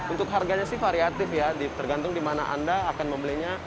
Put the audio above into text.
untuk harganya sih variatif ya tergantung di mana anda akan membelinya